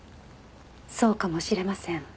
そうかもしれません。